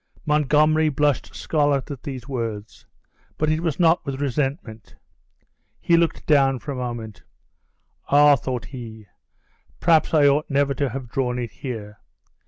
Montgomery blushed scarlet at these words; but it was not with resentment. He looked down for a moment: "Ah!" thought he, "perhaps I ought never to have drawn it here!"